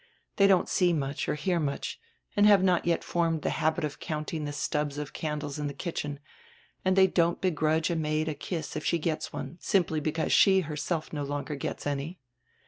They don't see much or hear much and have not yet formed the habit of counting the stubs of candles in die kitchen, and they don't begrudge a maid a kiss if she gets one, simply because she herself no longer gets any."